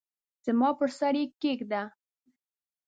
زما پر سر یې کښېږده !